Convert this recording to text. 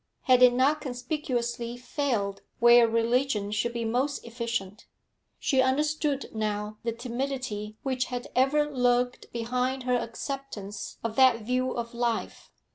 Had it not conspicuously failed where religion should be most efficient? She understood now the timidity which had ever lurked behind her acceptance of that view of life.